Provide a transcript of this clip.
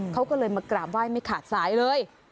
เขาก็เลยมากราบไหว้ไม่ขาดสายเลย